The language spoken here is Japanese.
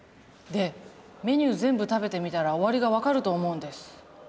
でメニュー全部食べてみたら終わりが分かると思うんです。